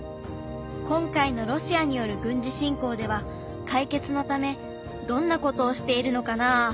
今回のロシアによる軍事侵攻では解決のためどんなことをしているのかなあ？